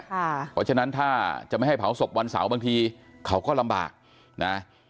เพราะฉะนั้นถ้าจะไม่ให้เผาศพวันเสาร์บางทีเขาก็ลำบากนะ